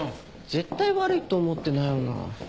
絶対悪いと思ってないよな。